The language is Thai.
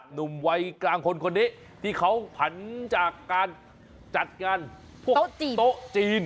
หนุ่มวัยกลางคนคนนี้ที่เขาผันจากการจัดงานพวกโต๊ะจีน